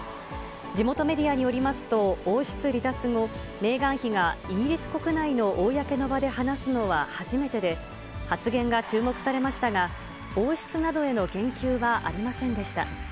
地元メディアによりますと、王室離脱後、メーガン妃がイギリス国内の公の場で話すのは初めてで、発言が注目されましたが、王室などへの言及はありませんでした。